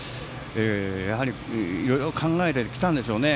やはり、いろいろ考えてきたんでしょうね。